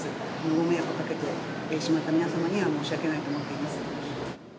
ご迷惑をかけてしまった皆様には、申し訳ないと思っています。